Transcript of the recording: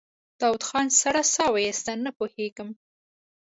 داوود خان سړه سا وايسته: نه پوهېږم.